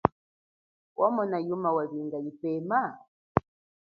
Wamona yuma walinga yinapeme ?